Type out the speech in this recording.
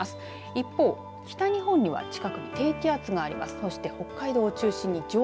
一方、北日本には近くに低気圧があります。